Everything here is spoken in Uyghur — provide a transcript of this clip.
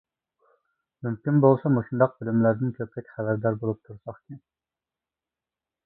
مۇمكىن بولسا مۇشۇنداق بىلىملەردىن كۆپرەك خەۋەردار بولۇپ تۇرساقكەن.